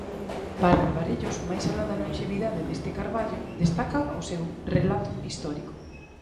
Para Alvarellos, máis aló da lonxevidade deste carballo, destaca o seu "relato histórico".